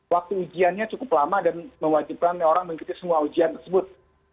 waktu ujiannya cukup lama dan mewajibkan orang mengikuti semua ujian tersebut